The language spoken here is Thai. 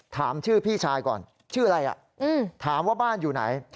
ถามชื่อพี่ชายก่อนชื่ออะไรถามว่าบ้านอยู่ไหน